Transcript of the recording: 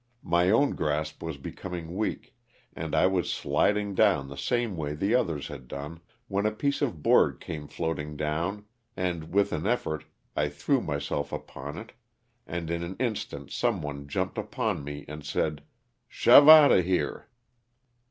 My own grasp was becoming weak, and I was sliding down the same way the others had done, when a piece of board came floating down and, with an effort, I threw myself upon it and in an instant some one jumped upon me and said '^ shove out of here."